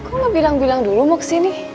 kok gak bilang bilang dulu mau kesini